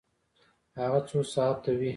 هغه څو ساعته وی؟